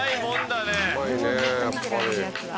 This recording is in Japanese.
ずっと見てられるやつだ。